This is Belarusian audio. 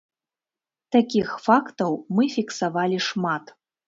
Такіх фактаў мы фіксавалі шмат.